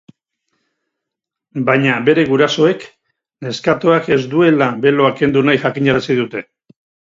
Baina bere gurasoek neskatoak ez duela beloa kendu nahi jakinarazi dute.